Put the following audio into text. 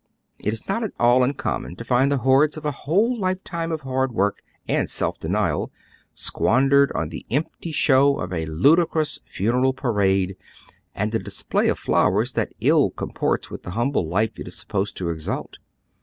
It is not at all un common to find the hoards of a whole lifetime of hard work and self denial squandered on the empty show of a ludicrous funeral parade and a display of flowers that ill comports with the humble life it is supposed to exalt.